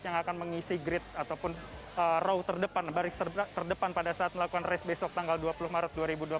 yang akan mengisi grid ataupun row terdepan baris terdepan pada saat melakukan race besok tanggal dua puluh maret dua ribu dua puluh